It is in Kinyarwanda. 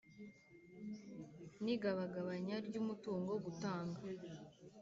N igabagabanya ry umutungo gutanga